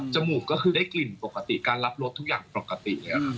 จมูกก็คือเกล็กกลิ่นปกติรับรสทุกอย่างปกติ